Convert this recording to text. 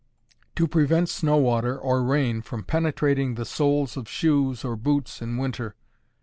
_To Prevent Snow water or Rain from Penetrating the Soles of Shoes or Boots in Winter.